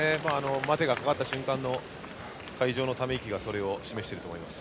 待てがかかった瞬間の会場のため息がそれを示していると思います。